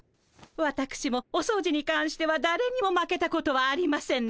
わたくしもお掃除にかんしてはだれにも負けたことはありませんの。